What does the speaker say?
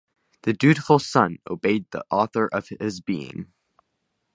The dutiful son obeyed the author of his being.